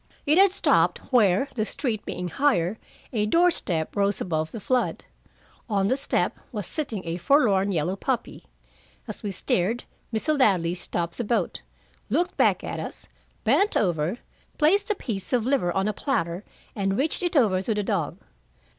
It had stopped where, the street being higher, a door step rose above the flood. On the step was sitting a forlorn yellow puppy. As we stared, Mr. Ladley stopped the boat, looked back at us, bent over, placed a piece of liver on a platter, and reached it over to the dog.